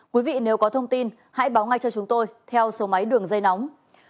quý vị nếu có thông tin hãy báo ngay cho chúng tôi theo số máy đường dây nóng